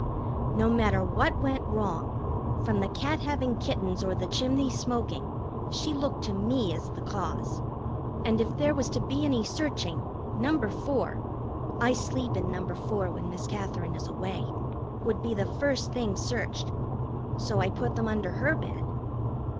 No matter what went wrong, from the cat having kittens or the chimney smoking, she looked to me as the cause. And if there was to be any searching, No. 4 I sleep in No. 4 when Miss Katherine is away would be the first thing searched. So I put them under her bed.